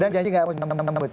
dan jangan juga mengembut